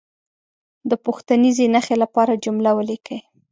د پوښتنیزې نښې لپاره جمله ولیکي.